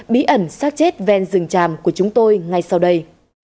bí ẩn sát chết ven rừng tràm của chúng tôi ngay sau đây